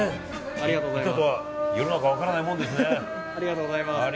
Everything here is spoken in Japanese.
世の中分からないものですね。